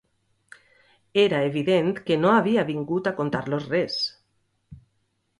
Era evident que no havia vingut a contar-los res.